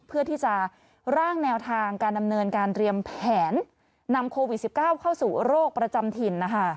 เพื่อที่จะร่างแนวทางการดำเนินการเตรียมแผนนำโควิด๑๙เข้าสู่โรคประจำถิ่นนะคะ